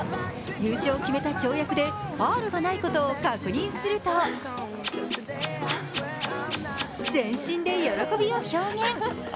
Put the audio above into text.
優勝を決めた跳躍でファウルがないことを確認すると全身で喜びを表現。